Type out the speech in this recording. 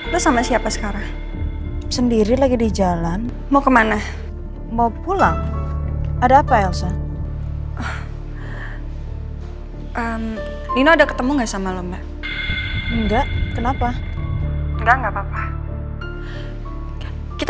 gua enggak boleh biarin nino deket deket sama mbak anin lagi